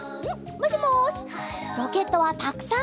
もしもしロケットはたくさんあります。